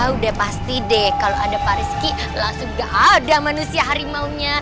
udah pasti deh kalau ada pak rizky langsung gak ada manusia harimaunya